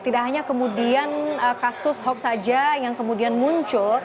tidak hanya kemudian kasus hoax saja yang kemudian muncul